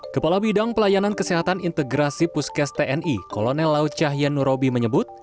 kepala bidang pelayanan kesehatan integrasi puskes tni kolonel laucah yenurobi menyebut